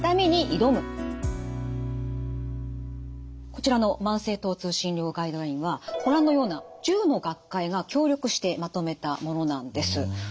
こちらの「慢性疼痛診療ガイドライン」はご覧のような１０の学会が協力してまとめたものなんです。